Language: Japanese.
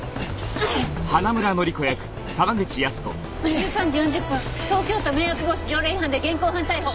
１３時４０分東京都迷惑防止条例違反で現行犯逮捕。